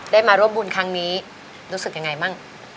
ได้มาร่วมบุญครั้งนี้รู้สึกยังไงบ้าง